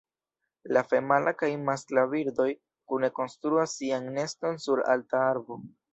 La femala kaj maskla birdoj kune konstruas sian neston sur alta arbo.